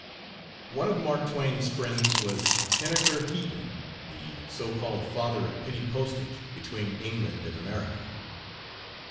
One of Mark Twain's friends was Henniker Heaton, the so called "Father of Penny Postage" between England and America.